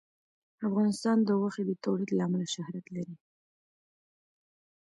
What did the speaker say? افغانستان د غوښې د تولید له امله شهرت لري.